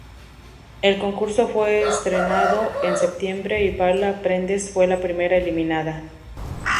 El concurso fue estrenado en septiembre y Paula Prendes fue la primera eliminada.